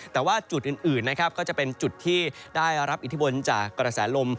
แต่ว่าจุดอื่นนะครับก็จะเป็นจุดที่ได้รับอิทธิพลจากกระแสลม